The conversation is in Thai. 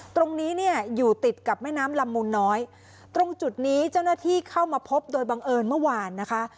ตรงนี้เนี่ยอยู่ติดกับแม่น้ำลำมูลน้อยตรงจุดนี้เจ้าหน้าที่เข้ามาพบโดยบังเอิญเมื่อวานนะคะ